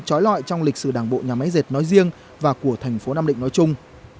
trói lọi trong lịch sử đảng bộ nhà máy dệt nói riêng và của thành phố nam định nói chung